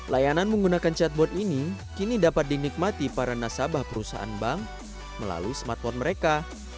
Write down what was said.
layanan menggunakan chatbot ini kini dapat dinikmati para nasabah perusahaan bank melalui smartphone mereka